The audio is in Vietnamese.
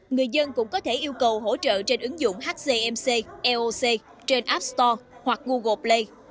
người dân cũng có thể yêu cầu hỗ trợ trên ứng dụng hcmc eoc trên app store hoặc google play